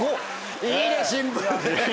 いいねシンプルで。